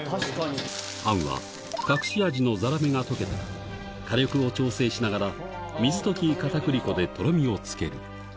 あんは、隠し味のザラメが溶けたら、火力を調整しながら、水溶きかたくり粉でとろみをつける。